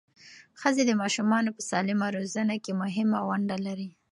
ښځې د ماشومانو په سالمه روزنه کې مهمه ونډه لري.